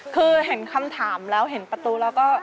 คือเห็นคำถามแล้วเห็นประตูแล้วก็